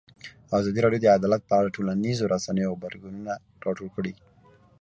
ازادي راډیو د عدالت په اړه د ټولنیزو رسنیو غبرګونونه راټول کړي.